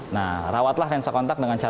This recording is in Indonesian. nah rawatlah lensa kontak dengan cahaya